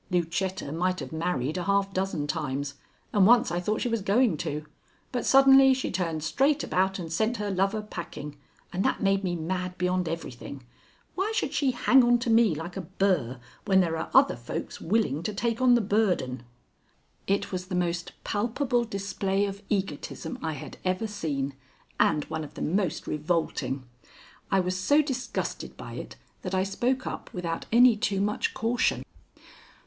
Lucetta might have married a half dozen times, and once I thought she was going to, but suddenly she turned straight about and sent her lover packing, and that made me mad beyond everything. Why should she hang on to me like a burr when there are other folks willing to take on the burden?" It was the most palpable display of egotism I had ever seen and one of the most revolting. I was so disgusted by it that I spoke up without any too much caution.